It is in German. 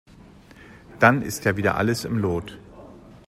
Dann ist ja wieder alles im Lot.